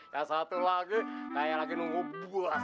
yang satu lagi kayak lagi nunggu buas